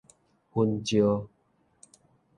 雲石